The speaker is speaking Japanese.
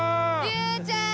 竜ちゃーん！